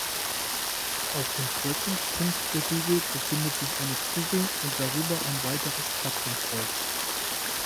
Auf dem Kreuzungspunkt der Bügel befindet sich eine Kugel und darüber ein weiteres Tatzenkreuz.